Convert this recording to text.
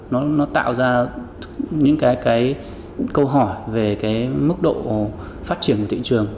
nó tạo ra những câu hỏi về mức độ phát triển của thị trường